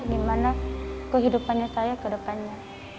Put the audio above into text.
gimana kehidupannya saya ke depannya